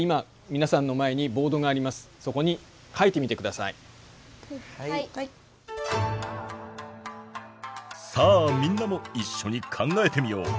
さあみんなも一緒に考えてみよう。